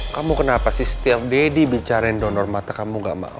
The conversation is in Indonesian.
kamu kenapa sih setiap deddy bicarain donor mata kamu gak mau